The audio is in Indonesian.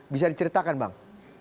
bisa diceritakan bang